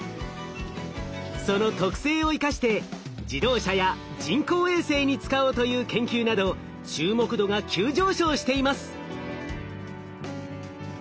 その特性を生かして自動車や人工衛星に使おうという研究など注目度が急上昇しています。